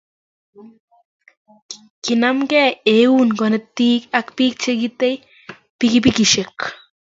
kinamgei eun konetik ak biik che ketei pikipikisiek.